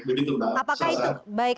jadi itu mbak